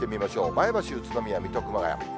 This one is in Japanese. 前橋、宇都宮、水戸、熊谷。